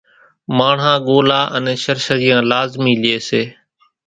ماڻۿان ڳولا انين شرشريان لازمي لئي سي۔